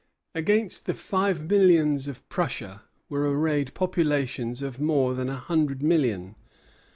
Against the five millions of Prussia were arrayed populations of more than a hundred million.